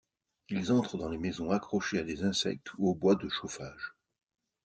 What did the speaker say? Ils entrent dans les maisons accrochés à des insectes ou au bois de chauffage.